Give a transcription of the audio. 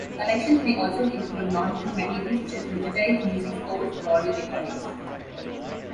Collections may also include non-print materials, such as digitized music scores or audio recordings.